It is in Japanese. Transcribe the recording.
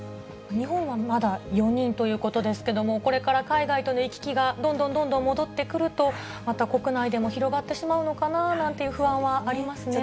日本はまだ４人ということですけれども、これから海外との行き来がどんどんどんどん戻ってくると、また国内でも広がってしまうのかななんていう不安はありますね。